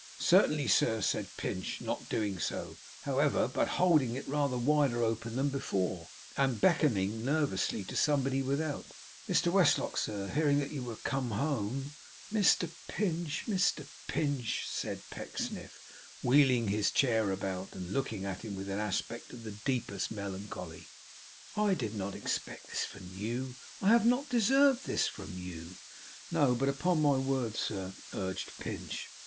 'Certainly, sir,' said Pinch; not doing so, however, but holding it rather wider open than before, and beckoning nervously to somebody without: 'Mr Westlock, sir, hearing that you were come home ' 'Mr Pinch, Mr Pinch!' said Pecksniff, wheeling his chair about, and looking at him with an aspect of the deepest melancholy, 'I did not expect this from you. I have not deserved this from you!' 'No, but upon my word, sir ' urged Pinch.